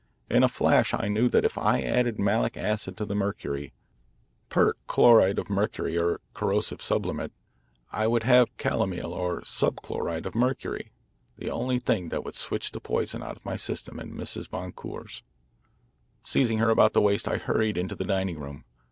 In a flash I knew that if I added malic acid to the mercury per chloride of mercury or corrosive sublimate I would have calomel or subchloride of mercury, the only thing that would switch the poison out of my system and Mrs. Boncour's. "Seizing her about the waist, I hurried into the dining room.